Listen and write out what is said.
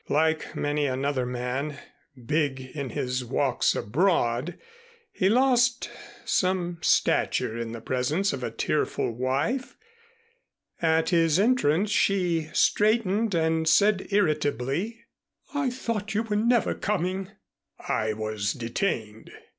Like many another man, big in his walks abroad, he lost some stature in the presence of a tearful wife. At his entrance she straightened and said irritably, "I thought you were never coming." "I was detained."